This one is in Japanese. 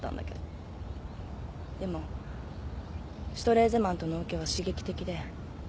でもシュトレーゼマンとのオケは刺激的で。